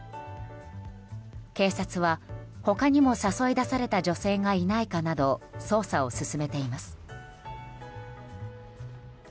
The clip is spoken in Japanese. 警察は、他にも誘い出された女性がいないかなど捜査を進めています。